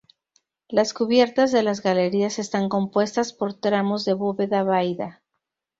Las cubiertas de las galerías están compuestas por tramos de bóveda vaída.